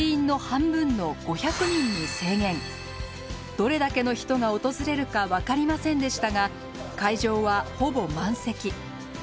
どれだけの人が訪れるか分かりませんでしたが会場はほぼ満席。